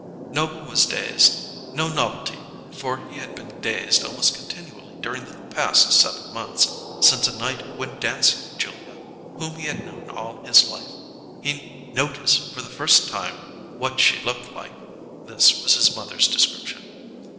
Noble was dazed; no novelty, for he had been dazed almost continually during the past seven months, since a night when dancing with Julia, whom he had known all his life, he "noticed for the first time what she looked like." (This was his mother's description.)